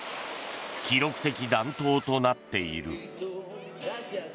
記録的暖冬となっている。